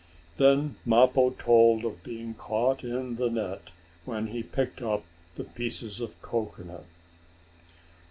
Then Mappo told of being caught in the net when he picked up the pieces of cocoanut.